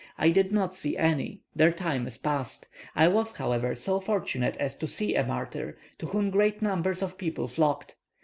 I did not see any; their time is past. I was, however, so fortunate as to see a martyr, to whom great numbers of people flocked.